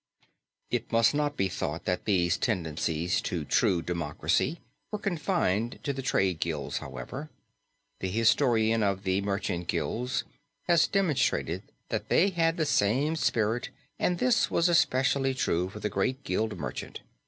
It must not be thought that these tendencies to true democracy were confined to the trades guilds, however. The historian of the merchant guilds has demonstrated that they had the same spirit and this was especially true for the great guild merchant.